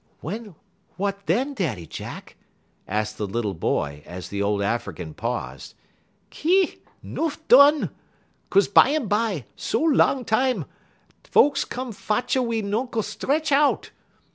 "What then, Daddy Jack?" asked the little boy, as the old African paused. "Ki! nuff dun. 'Kaze bumbye, so long tam, folks come fetch a we nuncle 'tretch out.